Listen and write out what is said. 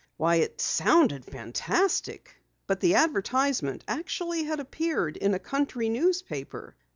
Why, it sounded fantastic. But the advertisement actually had appeared in a country newspaper.